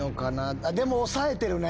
でも抑えてるね。